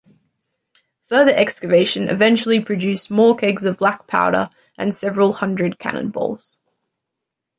Further excavation eventually produced more kegs of black powder and several hundred cannonballs.